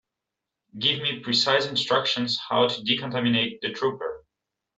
Give me precise instructions how to decontaminate the trooper.